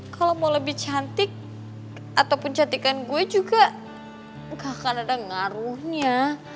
kalau mau lebih cantik ataupun cantikan gue juga gak akan ada ngaruhnya